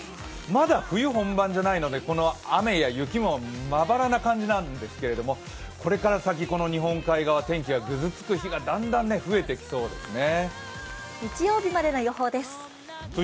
まだ冬本番じゃないので、この雨や雪もまばらな感じなんですけどこれから先、日本海側、天気がぐずつく日がだんだん増えてきそうですね。